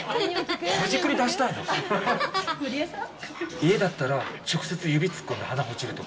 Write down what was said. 家だったら直接指つっこんで鼻ほじるとか。